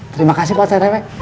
terima kasih pak ustadz rw